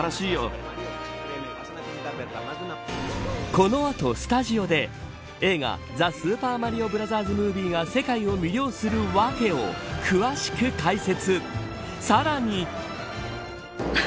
この後スタジオで、映画ザ・スーパーマリオブラザーズ・ムービーが世界を魅了する訳を詳しく解説。